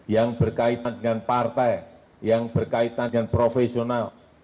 yang berkaitan dengan partai yang berkaitan dengan profesional